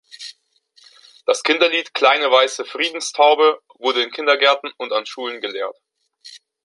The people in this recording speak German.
Das Kinderlied Kleine weiße Friedenstaube wurde in Kindergärten und an Schulen gelehrt.